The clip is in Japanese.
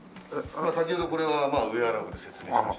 先ほどこれはウェアラブル説明しましたけど。